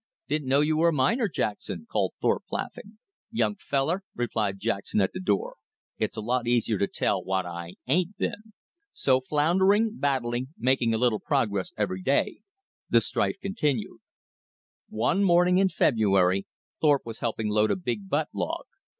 "Didn't know you were a miner, Jackson," called Thorpe, laughing. "Young feller," replied Jackson at the door, "it's a lot easier to tell what I AIN'T been." So floundering, battling, making a little progress every day, the strife continued. One morning in February, Thorpe was helping load a big butt log.